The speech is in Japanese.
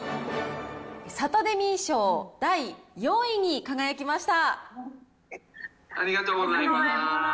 サタデミー賞第４位に輝きました。